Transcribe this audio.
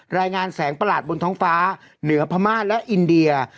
รายงานแสงประหลาดบนท้องฟ้าเหนือพม่าและอินเดีย